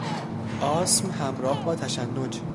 آسم همراه با تشنج